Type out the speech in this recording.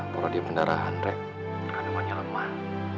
porodia pendarahan rek kandungannya lemah